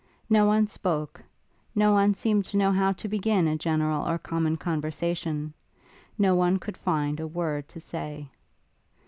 No one spoke; no one seemed to know how to begin a general or common conversation; no one could find a word to say.